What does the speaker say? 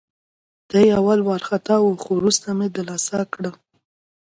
دی اول وارخطا وه، خو وروسته مې دلاسا کړه.